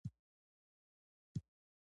بحث طلبه تصمیم ګیري هم شتون لري.